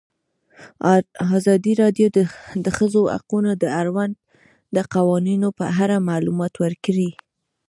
ازادي راډیو د د ښځو حقونه د اړونده قوانینو په اړه معلومات ورکړي.